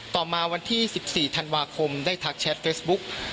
ต่อมาวันที่๑๔ธันวาคมได้ทักแชทเฟซบุ๊ก